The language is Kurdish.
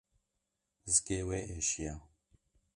Zikê wê êşiya.